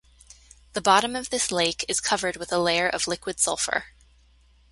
The bottom of this lake is covered with a layer of liquid sulfur.